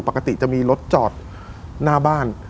ปกติจะมีรถจอดหน้าบ้าน